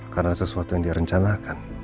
karena ada sesuatu yang dia rencanakan